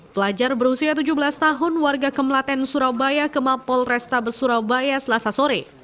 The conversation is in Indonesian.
pelajar berusia tujuh belas tahun warga kemelaten surabaya ke mapol restabes surabaya selasa sore